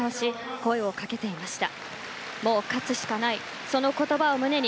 声をかけていました。